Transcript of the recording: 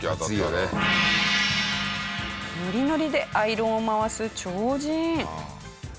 ノリノリでアイロンを回す超人。